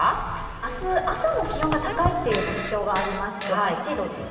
明日朝も気温が高いという特徴がありまして８度です。